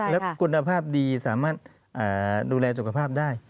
และคุณภาพดีสามารถดูแลสุขภาพได้